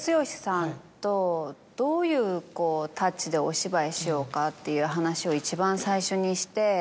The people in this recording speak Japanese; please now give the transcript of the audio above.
どういうタッチでお芝居しようかっていう話を一番最初にして。